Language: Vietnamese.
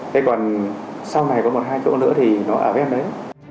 thế còn sau này có một hai chỗ nữa thì nó ở ven đấy